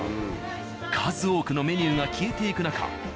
数多くのメニューが消えていく中